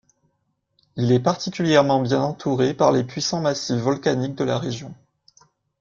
Il est particulièrement bien entouré par les puissants massifs volcaniques de la région.